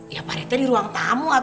ya pak rete di ruang tamu